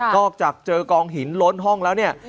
อกจากเจอกองหินล้นห้องแล้วเนี่ย